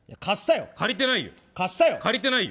借りていないよ。